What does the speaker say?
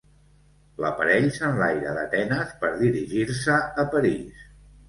L'aparell s'enlaira d'Atenes per dirigir-se a París.